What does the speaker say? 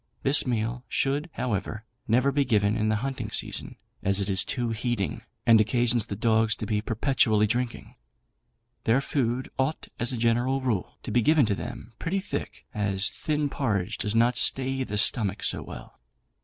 This meal should, however, never be given in the hunting season, as it is too heating, and occasions the dogs to be perpetually drinking. Their food ought, as a general rule, to be given to them pretty thick, as thin porridge does not stay the stomach so well.